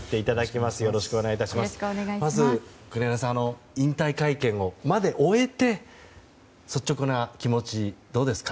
まず、国枝さん引退会見まで終えて率直な気持ち、どうですか？